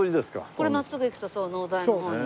これ真っすぐ行くとそう農大の方に。